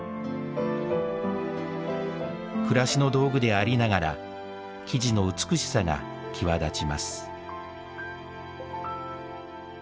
暮らしの道具でありながら木地の美しさが際立ちます。